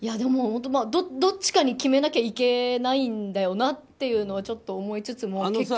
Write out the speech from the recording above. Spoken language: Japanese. どっちかに決めなきゃいけないんだよなっていうのはちょっと思いつつもね。